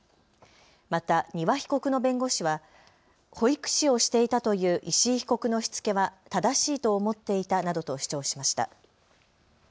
また丹羽被告の弁護士は保育士をしていたという石井被告のしつけは正しいと思っていたなどと主張しました。